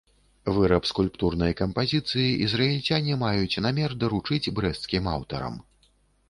Выраб скульптурнай кампазіцыі ізраільцяне маюць намер даручыць брэсцкім аўтарам.